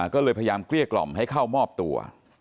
ก็เลยพยายามเกลี้ยกล่อมให้เข้ามอบตัว